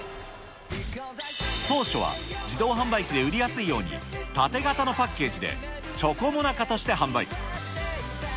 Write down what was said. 当初は自動販売機で売りやすいように、縦型のパッケージでチョコモナカとして販売。